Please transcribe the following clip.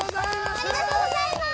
ありがとうございます。